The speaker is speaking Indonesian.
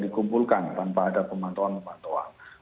dikumpulkan tanpa ada pemantauan pemantauan